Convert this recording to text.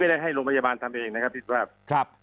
ไม่ได้ให้โรงพยาบาลทำเองนะครับ